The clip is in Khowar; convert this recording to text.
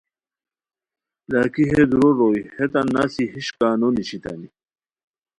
لاکھی ہے دورو روئے ہیتان نسی ہیش کا نو نیشتانی